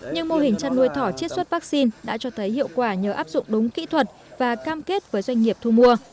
nhưng mô hình chăn nuôi thỏ chiết xuất vaccine đã cho thấy hiệu quả nhờ áp dụng đúng kỹ thuật và cam kết với doanh nghiệp thu mua